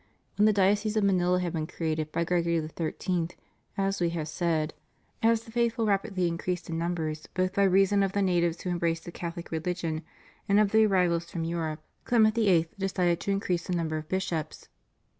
When the diocese of Manila had been created by Gregory XIII., as We have said, as the faithful rapidly increased in numbers, both by reason of the natives who embraced the Catholic re ligion and of the arrivals from Europe, Clement VIII. 546 THE CHURCH IN THE PHILIPPINES. decided to increase the number of bishops.